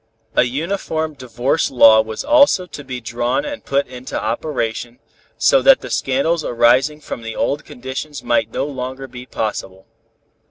A uniform divorce law was also to be drawn and put into operation, so that the scandals arising from the old conditions might no longer be possible.